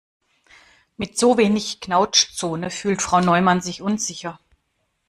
Mit so wenig Knautschzone fühlt Frau Neumann sich unsicher.